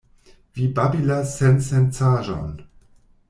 Vi babilas sensencaĵon!